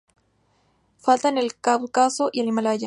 Falta en el Cáucaso y el Himalaya.